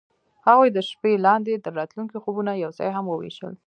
هغوی د شپه لاندې د راتلونکي خوبونه یوځای هم وویشل.